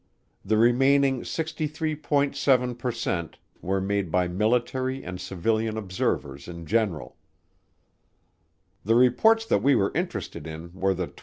The remaining 63.7 per cent were made by military and civilian observers in general. The reports that we were interested in were the 26.